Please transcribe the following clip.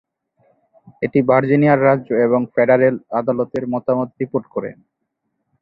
এটি ভার্জিনিয়ার রাজ্য এবং ফেডারেল আদালতের মতামত রিপোর্ট করে।